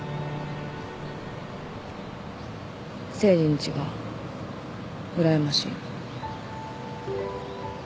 誠治んちがうらやましい。